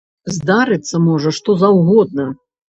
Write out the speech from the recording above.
Здарыцца можа што заўгодна!